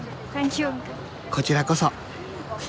こちらこそ。